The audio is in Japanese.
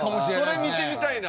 それ見てみたいな。